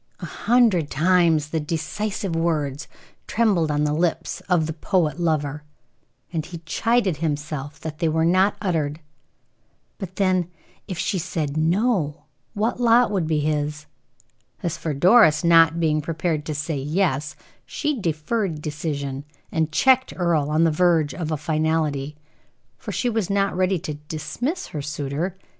A hundred times the decisive words trembled on the lips of the poet lover, and he chided himself that they were not uttered. But then, if she said "no," what lot would be his? As for Doris not being prepared to say "yes," she deferred decision, and checked Earle on the verge of a finality, for she was not ready to dismiss her suitor.